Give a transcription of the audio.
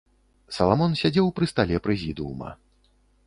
Саламон сядзеў пры стале прэзідыума.